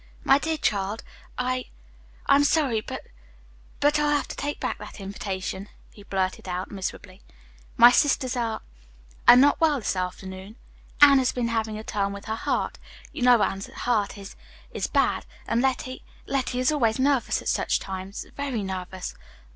"My dear child, I I'm sorry, but but I'll have to take back that invitation," he blurted out miserably. "My sisters are are not well this afternoon. Ann has been having a turn with her heart you know Ann's heart is is bad; and Letty Letty is always nervous at such times very nervous.